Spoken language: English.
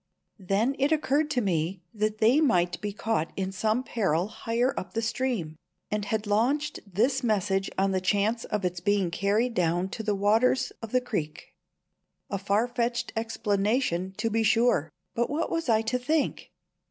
Then it occurred to me that they might be caught in some peril higher up the stream, and had launched this message on the chance of its being carried down to the waters of the creek. A far fetched explanation, to be sure! But what was I to think?